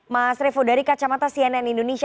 mas revo dari kacamata cnn indonesia